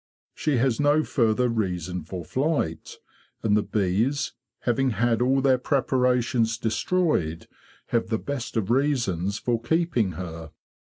She has no further reason for flight, and the bees, having had all their preparations destroyed, have the best of reasons for keeping her.